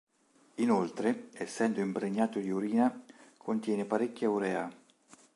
Inoltre, essendo impregnato di urina, contiene parecchia urea.